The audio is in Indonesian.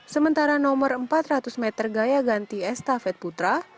sementara nomor empat ratus meter gaya ganti estafet putra